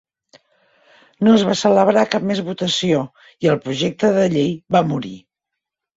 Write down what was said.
No es va celebrar cap més votació i el projecte de llei va morir.